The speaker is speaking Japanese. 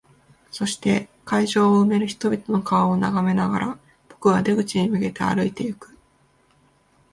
そして、会場を埋める人々の顔を眺めながら、僕は出口に向けて歩いていく。